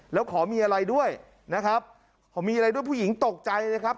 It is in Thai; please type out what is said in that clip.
แล้วขอมีอะไรด้วยนะครับขอมีอะไรด้วยผู้หญิงตกใจนะครับ